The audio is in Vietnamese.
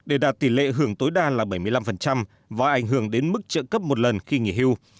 để đạt tỷ lệ hưởng tối đa là bảy mươi năm và ảnh hưởng đến mức trợ cấp một lần khi nghỉ hưu